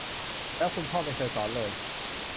แล้วคุณพ่อไม่เคยสอนเลย